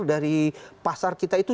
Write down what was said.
dari pasar kita itu